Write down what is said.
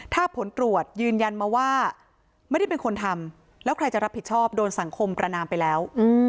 ถ้าผลตรวจยืนยันมาว่าไม่ได้เป็นคนทำแล้วใครจะรับผิดชอบโดนสังคมประนามไปแล้ว